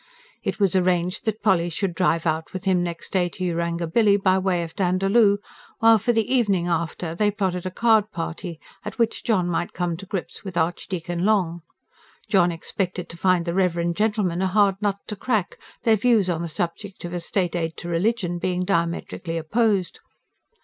It was arranged that Polly should drive out with him next day to Yarangobilly, by way of Dandaloo; while for the evening after they plotted a card party, at which John might come to grips with Archdeacon Long. John expected to find the reverend gentleman a hard nut to crack, their views on the subject of a state aid to religion being diametrically opposed.